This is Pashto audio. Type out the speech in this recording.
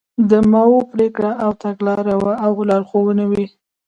د ماوو پرېکړه او تګلاره وه او لارښوونې وې.